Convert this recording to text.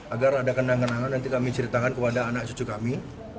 agar ada kenang kenangan nanti kami ceritakan kepada anak cucu kami